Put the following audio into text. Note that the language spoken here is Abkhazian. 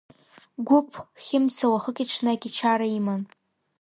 Гәыԥ Хьымца уахыки-ҽнаки чара иман.